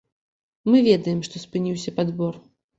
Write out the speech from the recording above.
Мы ведаем, што спыніўся падбор.